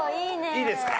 いいですか？